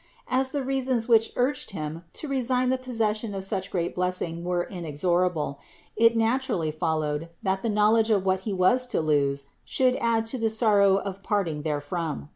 As the rea sons which urged him to resign the possession of such great blessing were inexorable, it naturally followed that the knowledge of what he was to lose should add to the sorrow of parting therefrom.